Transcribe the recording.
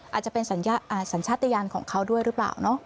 อาจจะเป็นสัญชาติยานของเขาด้วยหรือเปล่า